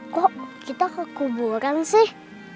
kok kita ke kuburan sih